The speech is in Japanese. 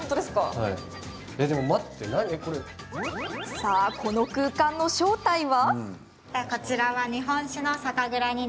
さあ、この空間の正体は？